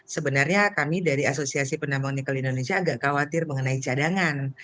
sebenarnya kami dari asosiasi penambang nikel indonesia agak khawatir mengenai cadangan